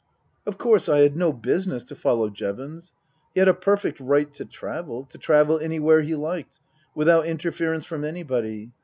Of course I had no business to follow Jevons. He had a perfect right to travel to travel anywhere he liked, without interference from anybody.